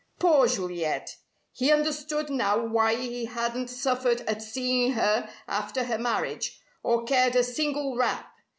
Poor Juliet! He understood now why he hadn't suffered at seeing her after her marriage, or cared a single rap!